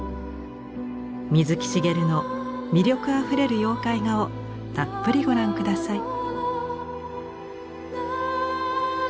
水木しげるの魅力あふれる妖怪画をたっぷりご覧下さい。